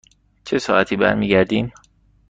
چه ساعتی برمی گردیم؟